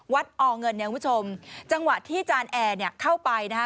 อเงินเนี่ยคุณผู้ชมจังหวะที่อาจารย์แอร์เนี่ยเข้าไปนะฮะ